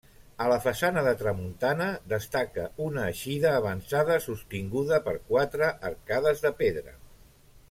A la façana de tramuntana, destaca una eixida avançada sostinguda per quatre arcades de pedra.